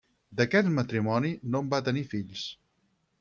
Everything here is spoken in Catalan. D'aquest matrimoni no en va tenir fills.